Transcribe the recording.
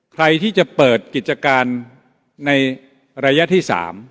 ใครที่จะเปิดกิจการในระยะที่๓